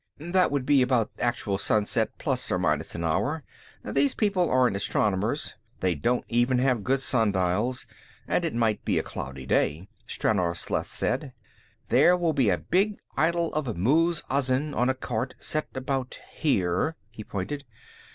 "That would be about actual sunset plus or minus an hour; these people aren't astronomers, they don't even have good sundials, and it might be a cloudy day," Stranor Sleth said. "There will be a big idol of Muz Azin on a cart, set about here." He pointed.